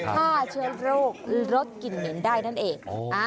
ฆ่าเชื้อโรคลดกลิ่นเหม็นได้นั่นเอง